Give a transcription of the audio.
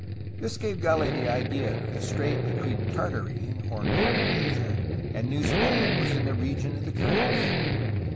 This gave Gali the idea that the strait between Tartary, or northern Asia, and New Spain was in the region of the currents.